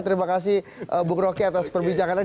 terima kasih bukroke atas perbincangan